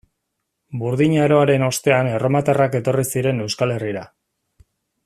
Burdin aroaren ostean erromatarrak etorri ziren Euskal Herrira.